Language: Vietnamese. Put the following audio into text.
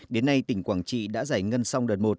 đến nay tỉnh quảng trị đã giải ngân xong đợt một